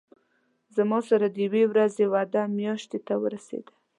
زما سره د یوې ورځې وعده میاشتې ته ورسېده.